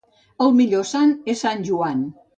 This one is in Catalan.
El millor sant és sant Joan.